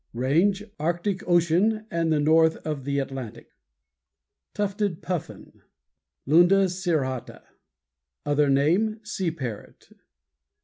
_ RANGE Arctic ocean and the north of the Atlantic. Page 138. =TUFTED PUFFIN.= Lunda cirrhata. Other name: Sea Parrot.